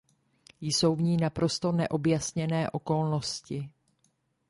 Jsou v ní naprosto neobjasněné okolnosti.